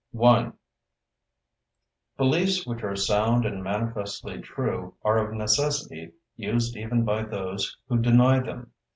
1. Beliefs which are sound and manifestly true are of necessity used even by those who deny them.